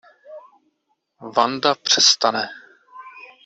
Wanda přestane.